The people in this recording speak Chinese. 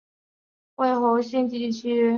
为侯姓集居区。